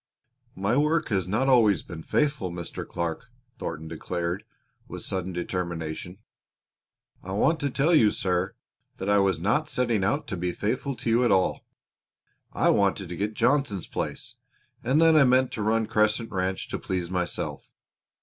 "My work has not always been faithful, Mr. Clark," Thornton declared with sudden determination. "I want to tell you, sir, that I was not setting out to be faithful to you at all. I wanted to get Johnson's place, and then I meant to run Crescent Ranch to please myself.